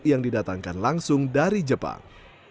yang didatangkan langsung dari jepang